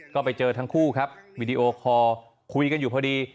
ก็ไปเจอทั้งคู่ครับวีดีโอคอร์คุยกันอยู่พอดี